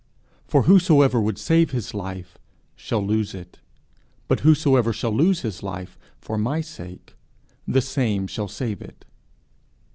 For whosoever would save his life shall lose it; but whosoever shall lose his life for my sake, the same shall save it.'